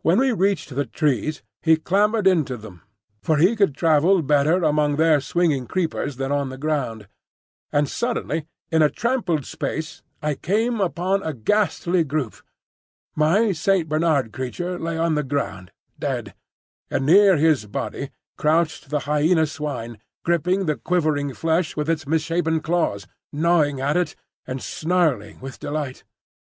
When we reached the trees he clambered into them, for he could travel better among their swinging creepers than on the ground. And suddenly in a trampled space I came upon a ghastly group. My Saint Bernard creature lay on the ground, dead; and near his body crouched the Hyena swine, gripping the quivering flesh with its misshapen claws, gnawing at it, and snarling with delight.